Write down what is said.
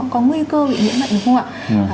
có nguy cơ bị nhiễm bệnh đúng không ạ